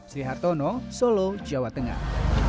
sri hartono solo jawa tengah